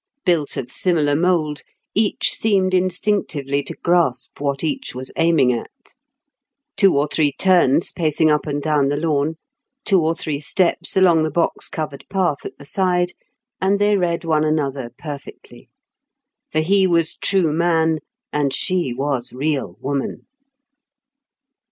Built of similar mould, each seemed instinctively to grasp what each was aiming at. Two or three turns pacing up and down the lawn, two or three steps along the box covered path at the side, and they read one another perfectly. For he was true man, and she was real woman.